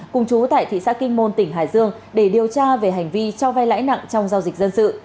cùng chú tại thị xã kinh môn tỉnh hải dương để điều tra về hành vi cho vay lãi nặng trong giao dịch dân sự